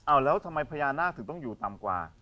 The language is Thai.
เอาแล้วทำไมพญานาคถึงต้องอยู่ต่ำกว่า